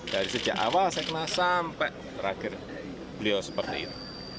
dari sejak awal seknas sampai terakhir beliau seperti itu